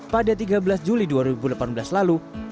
pada tiga belas juli dua ribu delapan belas lalu